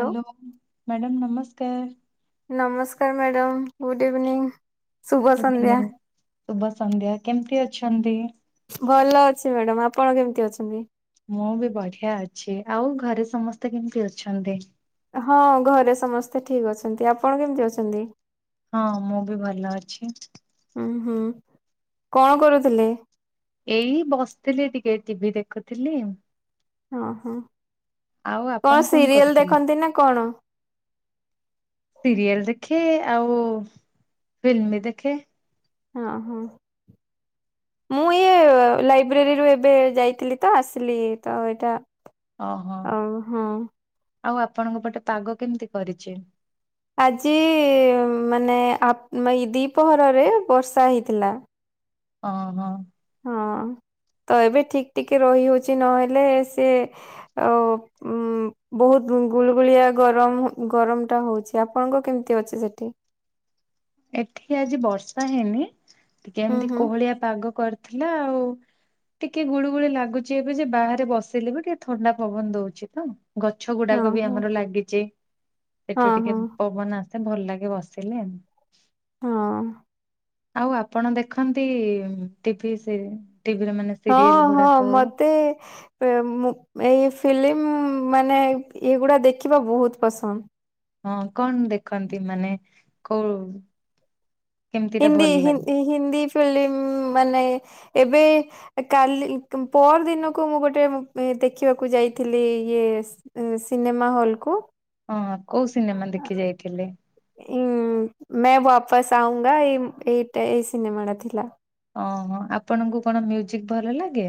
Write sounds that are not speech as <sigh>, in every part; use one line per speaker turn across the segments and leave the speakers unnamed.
Hello madam ନମସ୍କାର।
ନମସ୍କାର madam. Good evening. ଶୁଭ
<unintelligible>
ସନ୍ଧ୍ୟା।
ଶୁଭ ସନ୍ଧ୍ୟା। କେମିତି ଅଛନ୍ତି?
ଭଲ ଅଛି ମ୍ୟାଡାାମ। ଆପଣ କେମିତି ଅଛନ୍ତି?
ମୁଁ ବି ବଢ଼ିଆ ଅଛି। ଆଉ ଘରେ ସମସ୍ତେ କେମିତି ଅଛନ୍ତି?
ହଁ ଘରେ ସମସ୍ତେ ଠିକ୍ ଅଛନ୍ତି। ଆପଣ କେମିତି ଅଛନ୍ତି?
ହଁ ମୁଁ ବି ଭଲ ଅଛି।
ଉଂ ହୁଁ, କଣ କରୁଥିଲେ?
ଏଇ ବସିଥିଲି ଟିକେ ଟିଭିି ଦେଖୁଥିଲି ଆଉ।
ଓହୋ
ଆପଣ
କଣ ସିରିଏଲ
କରୁଥିଲେ?
ଦେଖନ୍ତି ନା କଣ?
ସିରିଏଲ ଦେଖେ ଆଉ ଫିଲ୍ମ ବି ଦେଖେ।
ହଁ ହଁ। ମୁଁ ଇଏ ଲାଇବ୍ରେରୀରୁୁ ଏବେ ଯାଇଥିଲି ତ ଆସିଲି। ତ ଏଇଟା
ଓହୋ
ଆଉ ହଁ।
ଆଉ ଆପଣଙ୍କ ପଟେ ପାଗ କେମିତି କରିଛି?
ଆଜି ମାନେ ଆ ଦିପହରରେ ବର୍ଷା ହେଇଥିଲା।
ହଁ ହଁ।
ହଁ। ତ ଏବେ ଠିକ ଟିକେ ରହି ହଉଛି ନହେଲେ ସେ ଅ ଉଁ ବହୁତ ଗୁଳୁଗୁଳିଆ ଗରମ ଗରମ ଟା ହଉଛି। ଆପଣଙ୍କ କେମିତି ଅଛି ସେଠି?
ଏଠି ଆଜି ବର୍ଷା ହେଇନି। ଟିକେ
ହୁଁ
ଏମିତି
ହୁଁ।
କୋହଳିଆ ପାଗ କରି ଥିଲା ଆଉ। ଟିକେ ଗୁଳିୁ ଗୁଳି ଲାଗୁଛି ଏବେ ଯେ ବାହାରେ ବସିଲେ ବି ଟିକେ ଥଣ୍ଡା ପବନ ଦଉଛି ତ। ଗଛ
ହଁ
ଗୁଡାକ ବି
ହଁ
ଆମର ଲାଗିଛି।
ହଁ
ସେଠୁ ଟିକେ
ହଁ
ପବନ ଆସେ ଭଲ ଲାଗେ ବସିଲେ।
ହଁ।
ଆଉ ଆପଣ ଦେଖନ୍ତି ଟିଭି ସେ
ହଁ ହଁ ମତେ ମ୍ ଏଇ ଫିଲିମ୍ ମାନେ ଏଗୁଡା ଦେଖିବା ବହୁତ ପସନ୍ଦ।
ହଁ କଣ ଦେଖନ୍ତି? ମାନେ କୋଉ କେମିତିଟା
ହିନ୍ଦୀ
ଭଲ ଲାଗେ?
ହି ହିନ୍ଦୀ ଫିଲିମ୍ ମାନେ ଏବେ କାଲି ପର ଦିନକୁ ମୁଁ ଗୋଟେ ମୁଭି ଦେଖିବାକୁ ଯାଇଥିଲି ଇଏ ସ୍- ସିନେମା ହଲ୍ କୁ।
ହଁ କୋଉ ସିନେମା ଦେଖି ଯାଇଥିଲେ?
ଉଁ ମେ ବାପସ ଆଉଙ୍ଗା ଏଇ ଏଇଟା ଏଇ ସିନେମାଟା ଥିଲା।
ଓହ ଆପଣଙ୍କୁ କଣ ମ୍ୟୁଜିକ ଭଲ ଲାଗେ?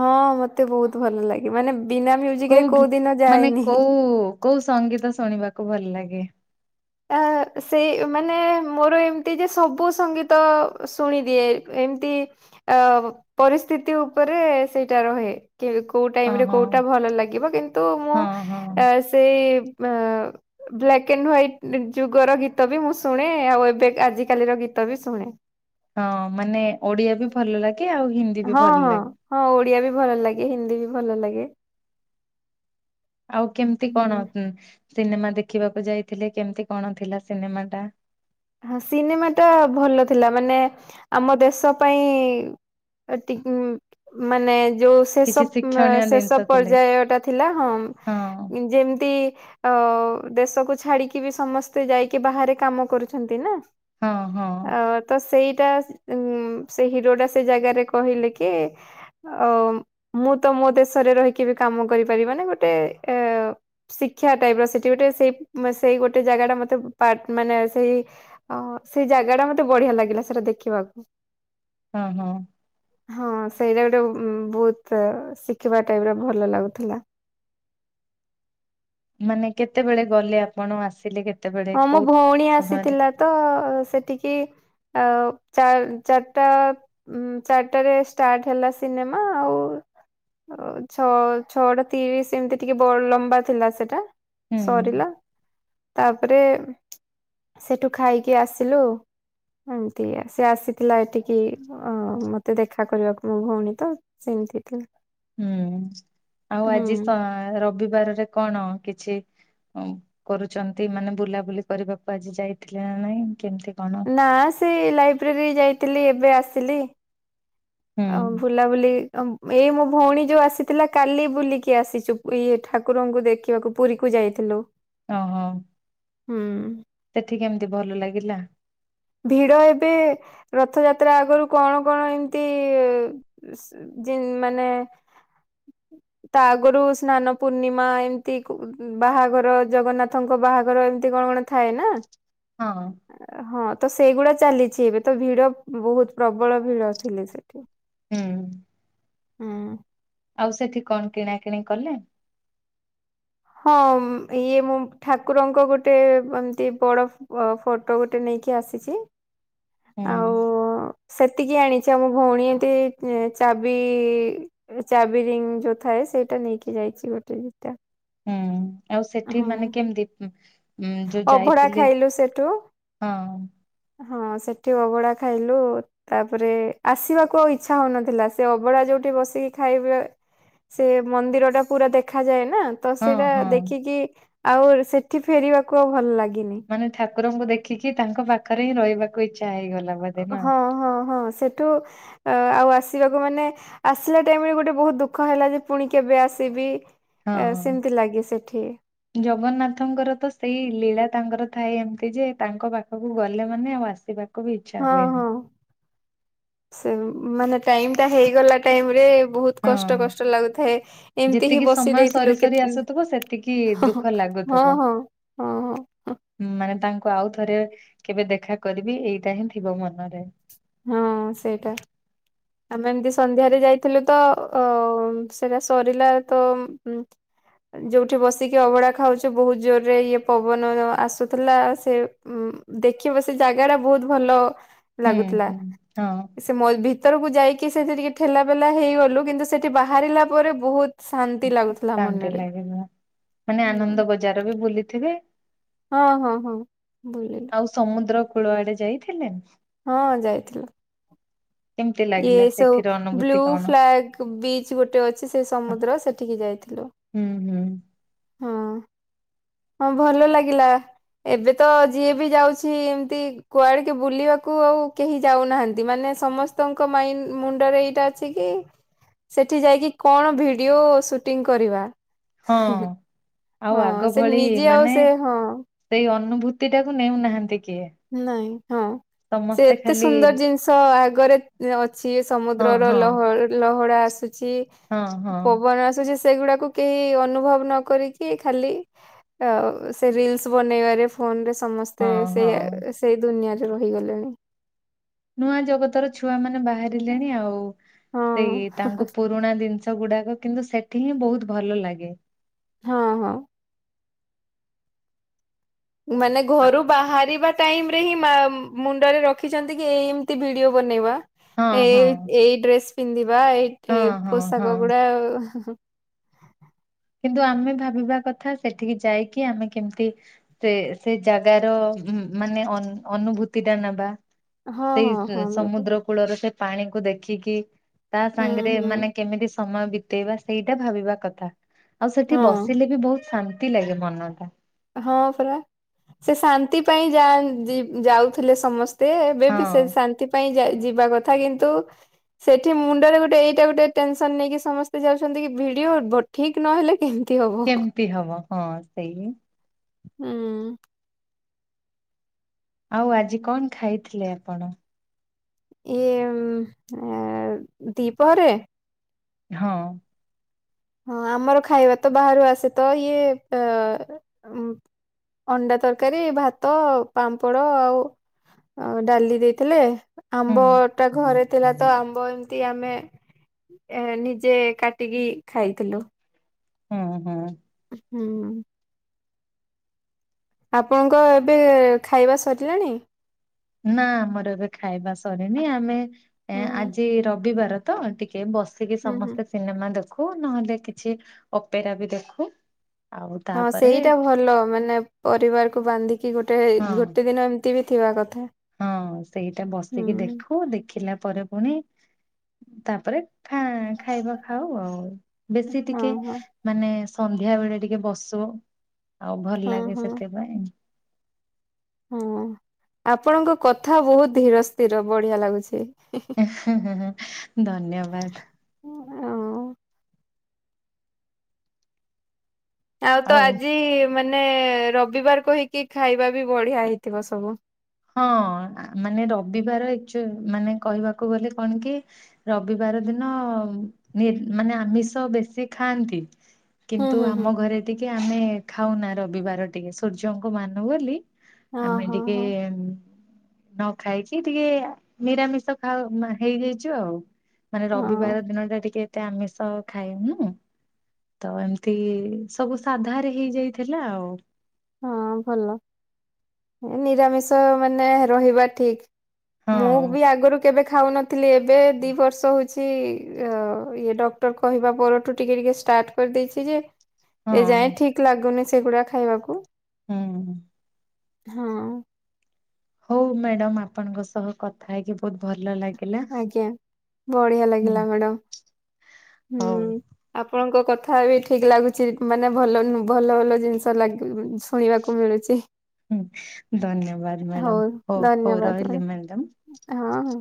ହଁ ମତେ ବହୁତ ଭଲ ଲାଗେ। ମାନେ ବିନା ମୁଜିକରେ
ଗୀ
କୋଉ ଦିନ
ମାନେ
ଯାଏନି।
କୋଉ କୋଉ ସଙ୍ଗୀତ ଶୁଣିବାକୁ ଭଲ ଲାଗେ?
ଆ ସେଇ ମାନେ ମୋର ଏମିତି ଯେ ସବୁ ସଙ୍ଗୀତ ଶୁଣିଦିଏ। ଏମିତି ଅ ପରିସ୍ଥିତି ଉପରେ ସେଇଟା ରହେ। କେ କୋଉ ଟାଇମରେ
ଓହୋ
କୋଉଟା ଭଲ ଲାଗିବ। କିନ୍ତୁ ମୁଁ
ହଁ ହଁ।
ସେଇ ଆ ବ୍ଲାକ୍ ଆଣ୍ଡ ହ୍ୱାଇଟ। ଯୁଗର ଗୀତ ବି ମୁଁ ଶୁଣେ, ଆଉ ଏବେ ଆଜିକାଲିର ଗୀତ ବି ଶୁଣେ।
ହଁ ମାନେ ଓଡିଆ ବି ଭଲ ଲାଗେ ଆଉ ହିନ୍ଦୀ ବି
ହଁ
ଭଲ
ହଁ
ଲାଗେ।
ହଁ ଓଡିଆ ବି ଭଲ ଲାଗେ, ହିନ୍ଦୀ ବି ଭଲ ଲାଗେ।
ଆଉ କେମିତି
ହୁଁ।
କଣ? ସିନେମା ଦେଖିବାକୁ ଯାଇଥିଲେ, କେମିତି କଣ ଥିଲା ସିନେମାଟା?
ହ ସିନେମାଟା ଭଲ ଥିଲା। ମାନେ ଆମ ଦେଶ ପାଇଁ ଏତିକି ମାନେ ଯୋଉ ଶେଷ
କିଛି
ଏ
ଶିକ୍ଷଣୀୟ
ଶେଷ
ଜିନିଷ ଥିଲେ
ପର୍ଯ୍ୟାୟଟା ଥିଲା ହଁ। ଯେମିତି ଅ ଦେଶକୁ ଛାଡିକି ବି ସମସ୍ତେ ଯାଇକି ବାହାରେ କାମ କରୁଛନ୍ତି ନା।
ହଁ ହଁ
ଅ ତ ସେଇ ଟା ସ୍- ଉଁ ସେ ହିରୋଟା ସେ ଜାଗାରେ କହିଲେ କି ମୁ ତ ମୋ ଦେଶରେ ରହିକି ବି କାମ କରିପାରିବା ନା ଗୋଟେ ଏ ଶିକ୍ଷା ଟାଇପର ସେଠି ଗୋଟେ ସେଇ ମ୍- ସେଇ ଗୋଟେ ଜାଗାଟା ମତେ ପାର୍ଟ ମାନେ ସେଇ ଅ ସେଇ ଜାଗା ଟା ମତେ ବଢିଆ ଲାଗିଲା ସେଟା ଦେଖିବାକୁ।
ହଁ ହଁ।
ହଁ ସେଇଟା ଗୋଟେ ଅମ-ବହୁତ ଶିଖିବା ଟାଇପ୍ ର ଭଲ ଲାଗୁଥିଲା।
ମାନେ କେତେବେଳେ ଗଲେ ଆପଣ ଆସିଲେ କେତ୍
ହଁ ମୋ ଭଉଣୀ ଆସିଥିଲା ତ ସେଠିକି ଆଉ ଚାରିଟା ଚାରିଟାରେ ଷ୍ଟାର୍ଟ ହେଲା ସିନେମା ଆଉ। ଛଅ ଛଅଟା ତିରିଶ ଏମିତି ଟିକେ ବ-ଲମ୍ବା ଥିଲା ସେଟା।
ହୁଁ
ସରିଲା ତାପରେ ସେଠୁ ଖାଇକି ଆସିଲୁ। ଏମିତି ସେ ଆସିଥିଲା ଏଠିକି ଅ-ମତେ ଦେଖା କରିବାକୁ ମୋ ଭଉଣୀ ତ ସେ <unintelligible>
ହୁଁ ଆଉ ଆଜି କଣ ରବିବାରରେ କଣ କିଛି କରୁଛନ୍ତି ମାନେ ବୁଲାବୁଲି କରିବାକୁ ଆଜି ଯାଇଥିଲେ ନା ନାଇଁ? କେମିତି କଣ?
ନା ସେଇ ଲାଇବ୍ରେରୀ ଯାଇଥିଲି ଏବେ ଆସିଲି।
ହୁଁ
ଆଉ ଭୁଲାଭୁଲି ଏଇ ମୋ ଭଉଣୀ ଯୋଉ ଆସିଥିଲା କାଲି ବୁଲିକି ଆସିଛୁ ଇଏ- ଠାକୁରଙ୍କୁ ଦେଖିବାକୁ ପୁରୀ ଫୁରୀ। ଯାଇଥିଲୁ।
ଓହୋ
ହୁଁ।
ସେଠି କେମିତି ଭଲ ଲାଗିଲା?
ଭିଡ ଏବେ ରଥଯାତ୍ରା ଆଗରୁ କଣ କଣ ଏମିତି ମାନେ ତା ଆଗରୁ ସ୍ନାନ ପୂର୍ଣ୍ଣିମା ଏମିତି ବାହାଘର ଜଗନ୍ନାଥଙ୍କ ବାହାଘର ଏମତି କଣ କଣ ଥାଏ ନା।
ହଁ।
ହଁ ସେଇଗୁଡା ଚାଲିଛି ଏବେ ତ ଭିଡ ବହୁତ ପ୍ରବଳ ଭିଡ ଥିଲେ ସେଠି।
ହୁଁ।
ଉଁ।
ଆଉ ସେଠି କଣ କିଣାକିଣି କଲେ?
ହଁ ଇଏ ମୁଁ- ଠାକୁରଙ୍କ ଗୋଟେ ଏମତି ବଡ- ଫଟୋ ଗୋଟେ ନେଇ କିଏ ଆସିଛି?
ହୁଁ।
ହ ସେତିକି ଆଣିଛି ଆଉ ମୋ ଭଉଣୀ ଏତି ଚାବି- ଚାବିରିଙ୍ଗ ହେ ସେଇଟା ନେଇକି ଯାଇଛି ଗୋଟେ ଦିଟା।
ହୁଁ ଆଉ ସେଠି
ହଁ
ମାନେ କେମିତି ଯୋଉ
ଅଭଡା
ଯାଇଥିଲେ
ଖାଇଲୁ ସେଠୁ
ହଁ।
ହଁ ସେଠି ଅଭଡା ଖାଇଲୁ ତାପରେ ଆସିବାକୁ ଆଉ ଇଚ୍ଛା ହଉନଥିଲା ସେ ଅଭଡା ଯୋଉ ଉଠି ବସିକି ଖାଇବେ ସେ ମନ୍ଦିର ଟା ପୁରା ଦେଖାାଯାଏ ନ୍ ନା ତ
ହଁ
ସେଇଟା
ହଁ
ଦେଖିକି ଆଉ ର୍- ସେଠି ଫେରିବାକୁ ଆଉ ଭଲ ଲାଗେନ
ମାନେ ଠାକୁରଙ୍କୁ ଦେଖିକି ତାଙ୍କ ପାଖରେ ହିଁ ରହିବାକୁ ଇଚ୍ଛା ହେଇଗଲା। ବୋଧେ ନା?
ହଁ ହଁ ହଁ ସେଠୁ ଆଉ ଆସ୍ ଆସିବାକୁ ମାନେ ଆସିଲା ଟାଇମ୍ ରେଗୋଟେ ବହୁତ ଦୁଃଖ ହେଲା ଯେ ପୁଣି କେବେ ଆସିବି?
ହଁ
ଏ, ସେମିତି ଲାଗେ ସେଠି
ଜଗନ୍ନାଥଙ୍କର ତ ସେଇ ଲୀଳା ତାଙ୍କର ଥାଏ ଏମିତି ଯେ ତାଙ୍କ ପାଖକୁ ଗଲେ ମାନେ ଆଉ ଆସିବାକୁ ବି ଇଚ୍ଛା
ହଁ
ହୁଏନି।
ହଁ ସେ ମାନେ ଟାଇମ ଟା ହେଇଗଲା ଟାଇମ ରେ ବହୁତ
ହଁ
କଷ୍ଟ କଷ୍ଟ ଲାଗୁଥାଏ ଏମିତି ହିଁ
ଯେତିକି
ବସି
ସମୟ ସରି
ଦେଇଥିଲୁ କେତ୍
ସରି ଆସୁଥିବ ସେତିକି
ହଁ,
ଦୁଃଖ
ହଁ,
ଲାଗୁଥିବ।
ହଁ, ହଁ।
ମାନେ ତାଙ୍କୁ ଆଉ ଥରେ କେବେ ଦେଖା କରିବି ଏଇଟା ହିଁ ଥିବ ମନରେ।
ହଁ ସେଇଟା। ଆମେ ଏମତି ସନ୍ଧ୍ୟାରେ ଯାଇଥିଲୁ ତ ଅ- ସେଟା ସରିଲା ତ ଯୋଉଠି ବସିକି ଅଭଡା ଖାଉଛୁ ବହୁତ ଜୋରରେ ଇଏ ପବନ ଆସୁଥିଲା ସେ ଦେଖିବ ସେ ଜାଗା ଟା ବହୁତ ଭଲ
ହୁଁ
ଲାଗୁଥିଲା।
ହୁଁ ହଁ
ସେ ମ ଭିତରକୁ ଯାଇକି ସେଠି ଟିକେ ଠେଲାପେଲା ହେଇଗଲୁ। କିନ୍ତୁ ସେଠି ବାହାରିଲା ପରେ ବହୁତ ଶାନ୍ତି ଲାଗୁଥିଲା
ଶାନ୍ତି
ମନରେ
ଲାଗିବ ମାନେ
ହୁଁ।
ଆନନ୍ଦ ବଜାର ବି ବୁଲିଥିବେ।
ହଁ ହଁ ହଁ ବୁଲିଲୁ।
କୁଳ ଆଡେ ଯାଇଥିଲେ?
ହଁ ଯାଇଥିଲୁ।
କେମିତି
ଇଏ
ଲାଗିଲା
ସବୁ
ସେଠିର ଅନୁଭୂତି
ବ୍ଲୁ
କଣ?
ଫ୍ଲାଗ ବିଚ ଗୋଟେ ଅଛି ସେ ସମୁଦ୍ର ସେଠିକି ଯାଇଥିଲୁ।
ହୁଁ ହୁଁ।
ହଁ ହଁ ଭଲ ଲାଗିଲା। ଏବେ ତ ଯିଏ ବି ଯାଉଛି ଏମିତି କୁଆଡେ କି ବୁଲିବାକୁ ଆଉ କେହି ଯାଉନାହାନ୍ତି ମାନେ ସମସ୍ତଙ୍କ ମାଈନ୍ ମୁଣ୍ଡରେ ଏଇଟା ଅଛି କି ସେଠି ଯାଇକି କଣ ଭିଡିଓ ସୁଟିଂ କରିବା।
ହଁ ଆଉ
ହଁ
ଆଗ
ସେ
ଭଳି
ନିଜେ ଆଉ
ମାନେ
ସେ ହଁ
ସେଇ ଅନୁଭୂତି ଟାକୁ ନେଉନାହାନ୍ତି। କିଏ
ନାଇଁ ହଁ। ସେ
ସମସ୍ତେ
ଏତେ
ଖାଲି
ସୁନ୍ଦର ଜିନିଷ ଆଗରେ ଅଛି
ହଁ
ସମୁଦ୍ରର
ହଁ
ଲହ ଲହଡ଼ା ଆସୁଛି।
ହଁ ହଁ
ପବନ ଆସୁଛି। ସେଇଗୁଡାକୁ କେହି ଅନୁଭବ ନ କରିକି ଖାଲି ସେ ରିଲସ ବନେଇବାରେ ଫୋନରେ ସମସ୍ତେ
ହଁ
ସେଇଆ
ହଁ
ସେଇ ଦୁନିଆରେ ରହିଗଲେଣି।
ନୂଆ ଜଗତର ଛୁଆ ମାନେ ବାହାରିଲେଣି ଆଉ।
ହଁ
ସେଇ ତାଙ୍କୁ ପୁରୁଣା ଜିନିଷ ଗୁଡାକ କିନ୍ତୁ ସେଠି ହିଁ ବହୁତ ଭଲ ଲାଗେ।
ହଁ ହଁ। ମାନେ ଘରୁ ବାହାରିବା ଟାଇମ ରେ ହିଁ ମା ମୁଣ୍ଡରେ ରଖିଛନ୍ତି କି ଏମିତି ଭିଡିଓ ବନେଇବା।
ହଁ
ଏ
ହଁ
ଏଇ ଡ୍ରେସ୍ ପିନ୍ଧିବା। ଏଇ
ହଁ
ଏ
ହଁ
ପୋଷାକ
ହଁ
ଗୁଡ଼ା
କିନ୍ତୁ ଆମେ ଭାବିବା କଥା ସେଠିକି ଯାଇକି ଆମେ କେମିତି ସେ ସେ ଜାଗାର ହୁଁ ମାନେ ଅନୁଭୂତି ଟା ନେବା।
ହଁ
ସେଇ
ହଁ ହଁ ବିଲକୁଲ
ସମୁଦ୍ର କୂଳର ସେ- ପାଣିକୁ ଦେଖିକି ତା
ହୁଁ
ସାଙ୍ଗରେ
ହୁଁ
ମାନେ କେମିତି ସମୟ ବିତେଇବା ସେଇଟା ଭାବିବା କଥା। ଆଉ ସେଠି
ହଁ
ବସିଲେ ବି ବହୁତ ଶା ନ୍ତି ଲାଗେ ମନଟା।
ହଁ ପରା, ସେ ଶାନ୍ତି ପାଇଁ ଯାଇ ବି ଯାଉଥିଲେ ସମସ୍ତେ ସେ ଏବେ ବି ସେ
ହଁ।
ଶାନ୍ତି ପାଇଁ ଯିବା କଥା କିନ୍ତୁ ସେଠି ମୁଣ୍ଡରେ ଗୋଟେ ଏଇଟା ଗୋଟେ ଟେନସନ ନେଇକି ସମସ୍ତେ ଯାଉଛନ୍ତି କି ଭିଡିଓ ଠିକ ନହେଲେ କେମିତି ହବ।
କେମିତି ହବ ହଁ ସେଇ
ହୁଁ।
ଆଉ ଆଜି କଣ ଖାଇଥିଲେ ଆପଣ?
ଇଏ ଉଁ ଦିପହରେ?
ହଁ।
ହଁ ଆମର ଖାଇବା ତ ବାହାରୁ ଆସେ ତ ଇଏ ଅଣ୍ଡା ତରକାରୀ ଭାତ ପାମ୍ପଡ ଆଉ ଡାଲି ଦେଇଥିଲେ।
ହୁଁ
ଆମ୍ବ ଟା ଘରେ ଥିଲା ତ ଆମ୍ବ ଏମିତି ଆମେ ନିଜେ କାଟିକି ଖାଇଥିଲୁ।
ହୁଁ ହୁଁ।
ହୁଁ। ଆପଣଙ୍କ ଏବେ ଖାଇବା ସରିଲାଣି?
ନା ଆମର ଏବେ ଖାଇବା ସରିନି। ଆମେ
ହୁଁ ହୁଁ
ଆଜି ରବିବାର ତ ଟି କେ ବସିକି
ହୁଁ ହୁଁ।
ସମସ୍ତେ ସିନେମା ଦେଖୁ, ନହେଲେ କିଛି ଅପେରା ବି ଦେଖୁ। ଆଉ
ହଁ
ତାପରେ
ସେଇଟା ଭଲ ମାନେ ପରିବାରକୁ ବାନ୍ଧିକି ଗୋଟେ
ହଁ
ଗୋଟେ ଦିନ ଏମିତି ବି ଥିବା କଥା।
ହଁ ସେଇଟା
ହୁଁ
ବସିକି ଦେଖୁ ଦେଖିଲା ପରେ ପୁଣି ତାପରେ ଖା ଖାଇବା ଖାଉ ଆଉ। ବେଶୀ
ହଁ
ଟିକେ
ହଁ
ମାନେ ସନ୍ଧ୍ୟା ବେଳେ ଟିକେ ବସୁ ଆଉ ଭଲ
ହଁ
ଲାଗେ
ହଁ।
ସେଥିପାଇଁ।
ହଁ ଆପଣଙ୍କ କଥା ବହୁତ ଧିର ସ୍ଥିର ବଢିଆ ଲାଗୁଛି।
ଧନ୍ୟବାଦ
ଆଉ ତ ଆଜି ମାନେ ମାନେ ରବିବାର କହିକି ଖାଇବା ବି ବଢିଆ ହେଇଥିବ ସବୁ।
ହଁ ମାନେ ରବିବାର ୱାକ ମାନେ କହିବାକୁ ଗଲେ କଣ କି ରବିବାର ବାର ଦିନ ମାନେ ଆମିଷ ବେଶୀ ଖାଆନ୍ତି।
ହୁଁ
କିନ୍ତୁ
ହୁଁ ହୁଁ।
ଆମ ଘରେ ଟିକେ ଆମେ ଖାଉନା ରବିବାର। ଟିକେ ସୂର୍ଯ୍ୟଙ୍କ ମାନୁ ବୋଲି
ହଁ
ଆମେ
ହଁ
ଟିକେ
ହଁ
ନ ଖାଇକି ଟିକେ ନିରାମିଷ ଖାଉ ହେଇଯାଇଛୁ ଆଉ। ମାନେ
ହଁ
ରବିବାର ଦିନ ଟା ଟିକେ ଏତେ ଆମିଷ ଖାଇନୁ। ତ ଏମିତି ସବୁ ସାଧାରେ ହେଇଯାଇଥିଲା ଆଉ।
ହଁ ଭଲ, ନିରାମିଷ ମାନେ ରହିବା
ହଁ
ଠିକ। ମୁଁ ବି ଆଗରୁ କେବେ ଖାଉନଥିଲି। ଏବେ ଦୁଇ ବର୍ଷ ହେଉଛି ଇଏ ଡକ୍ଟର କହିବା ପରଠୁ ଟିକେ ଟିକେ ଷ୍ଟା ଷ୍ଟାର୍ଟ କରିଦେଇଛି ଯେ
ହଁ
ଏ ଯାଏଁ ଠିକ ଲାଗୁନି ସେଗୁଡା ଖାଇବାକୁ।
ହୁଁ।
ହଁ।
ହଉ ମ୍ୟାଡାମ ଆପଣଙ୍କ ସହ କଥା ହେଇକି ବହୁତ ଭଲ ଲାଗି
ଆଜ୍ଞା, ବଢିଆ ଲାଗିଲା ମ୍ୟାଡାମ।
ହଉ
ହୁଁ ଆପଣଙ୍କ କଥା ବି ଠିକ୍ ଲାଗୁଛି, ମାନେ ଭଲ ଭଲ ଭଲ ଜିନିଷ ଲାଗ ଶୁଣିବାକୁ ମିଳୁଛି।
ଧନ୍ୟବାଦ
ହଉ
ମ୍ୟାଡାମ ହଉ
ଧନ୍ୟବାଦ
ରହିଲି ମ୍ୟାଡାମ।
ମ୍ୟା ହଁ ହ।